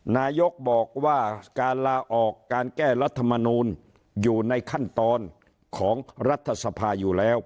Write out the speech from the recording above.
นายกบอกว่าการลาออกการแก้รัฐมนูลอยู่ในขั้นตอนของรัฐสภาอยู่แล้ว